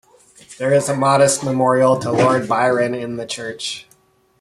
There is a modest memorial to Lord Byron in the church.